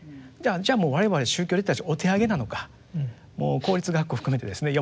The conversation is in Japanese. じゃあ我々宗教リテラシーお手上げなのか公立学校含めてですね